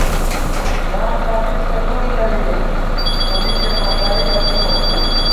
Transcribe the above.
یار دامېسہ لَؤ لَوِیَہ ، تونی سے فاڄائی نہ تھِبہ